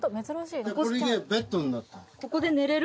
これねベッドになってる